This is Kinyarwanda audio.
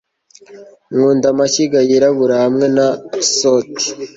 Nkunda amashyiga yirabura hamwe na soot